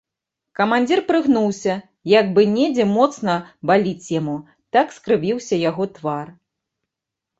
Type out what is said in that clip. Камандзір прыгнуўся, як бы недзе моцна баліць яму, так скрывіўся яго твар.